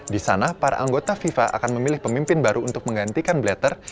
di sana para anggota fifa akan memilih pemimpin baru untuk menggantikan bletter